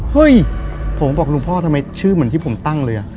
เฮ้ยผมบอกหลวงพ่อทำไมชื่อเหมือนที่ผมตั้งเลย